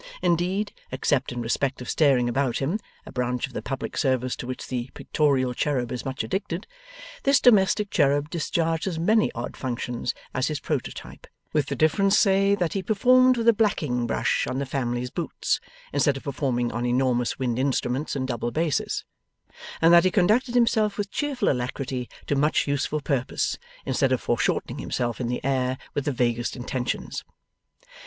Indeed, except in respect of staring about him (a branch of the public service to which the pictorial cherub is much addicted), this domestic cherub discharged as many odd functions as his prototype; with the difference, say, that he performed with a blacking brush on the family's boots, instead of performing on enormous wind instruments and double basses, and that he conducted himself with cheerful alacrity to much useful purpose, instead of foreshortening himself in the air with the vaguest intentions.